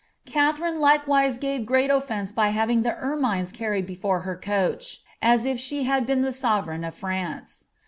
Kalherine likewise gave great offence by having the frmmes carried before her coach, as if she bad been the sove reign of France.'